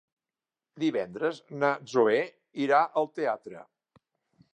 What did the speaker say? Divendres na Zoè irà al teatre.